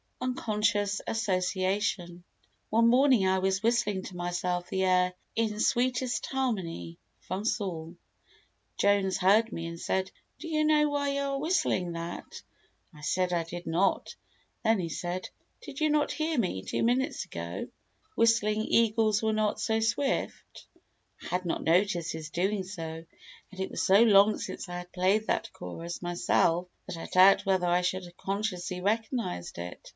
Unconscious Association One morning I was whistling to myself the air "In Sweetest Harmony" from Saul. Jones heard me and said: "Do you know why you are whistling that?" I said I did not. Then he said: "Did you not hear me, two minutes ago, whistling 'Eagles were not so Swift'?" I had not noticed his doing so, and it was so long since I had played that chorus myself that I doubt whether I should have consciously recognised it.